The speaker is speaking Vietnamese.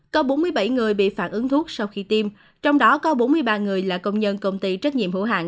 có bốn mươi bảy người bị phản ứng thuốc sau khi tiêm trong đó có bốn mươi ba người là công nhân công ty trách nhiệm hữu hạng